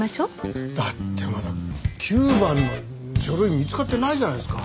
だってまだ９番の書類見つかってないじゃないですか。